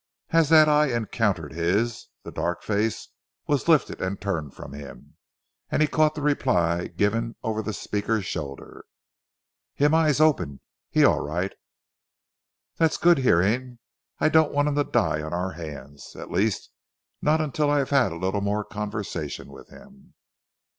As that eye encountered his, the dark face was lifted and turned from him, and he caught the reply given over the speaker's shoulder. "Him eyes open. He alright!" "That's good hearing. I don't want him to die on our hands, at least not until I have had a little more conversation with him."